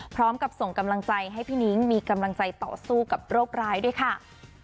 พร้อมกับส่งกำลังใจให้พี่นิ้งมีกำลังใจต่อสู้กับโรคร้ายด้วยค่ะ